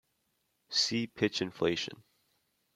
See Pitch inflation.